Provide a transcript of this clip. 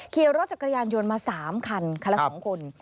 เคลียร์รถจากกระยานโยนมา๓คันคันละสองคน